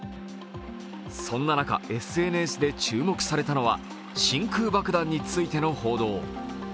そんな中、ＳＮＳで注目されたのが真空爆弾についての報道。